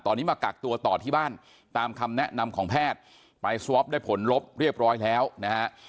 ตอนนี้มากักตัวต่อที่บ้านตามคำแนะนำของแพทย์ไปสวอปได้ผลลบเรียบร้อยแล้วนะฮะ